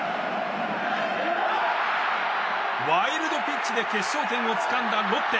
ワイルドピッチで決勝点をつかんだロッテ。